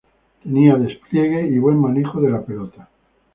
Tenía despliegue y buen manejo de la pelota.